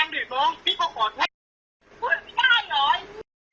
อ่าแล้วพี่พูดอย่างนี้ได้หรอ